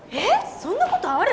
そんなことある？